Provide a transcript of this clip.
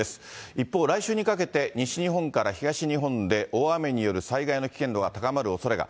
一方、来週にかけて西日本から東日本で大雨による災害の危険度が高まるおそれが。